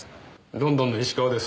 ロンドンの石川です。